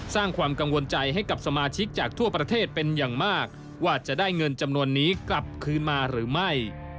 สร้างความกังวลใจให้กับสมาชิกจากทั่วประเทศเป็นอย่างมากว่าจะได้เงินจำนวนนี้กลับคืนมาหรือไม่